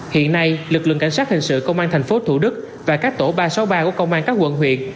hiện nay lực lượng cảnh sát hình sự công an tp thủ đức và các tổ ba trăm sáu mươi ba của công an các quận huyện